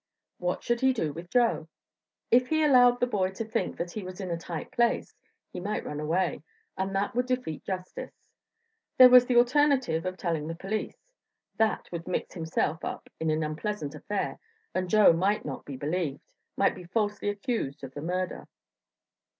What should he do with Joe? If he allowed the boy to think that he was in a tight place, he might run away, and that would defeat justice. There was the alternative of telling the police; that would mix himself up in an unpleasant affair, and Joe might not be believed might be falsely accused of the murder.